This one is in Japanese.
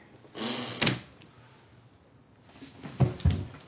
ああ。